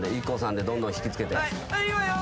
「いいわよ。